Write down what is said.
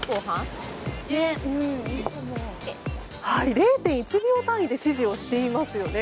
０．１秒単位で指示をしていますね。